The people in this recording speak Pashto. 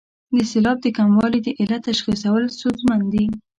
د سېلاب د کموالي د علت تشخیصول ستونزمن دي.